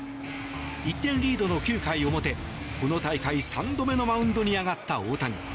１点リードの９回表この大会３度目のマウンドに上がった大谷。